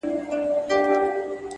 هغې ويله چي تل پرېشان ښه دی!!